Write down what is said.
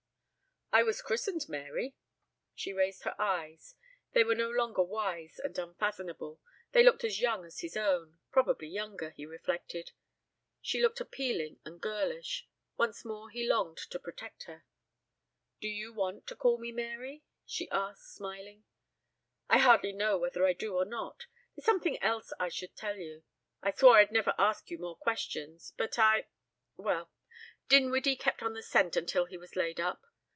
'" "I was christened Mary." She raised her eyes. They were no longer wise and unfathomable. They looked as young as his own. Probably younger, he reflected. She looked appealing and girlish. Once more he longed to protect her. "Do you want to call me Mary?" she asked, smiling. "I hardly know whether I do or not. ... There's something else I should tell you. I swore I'd never ask you any more questions but I well, Dinwiddie kept on the scent until he was laid up.